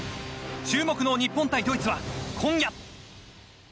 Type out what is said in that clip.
注目の日本対ドイツは今夜。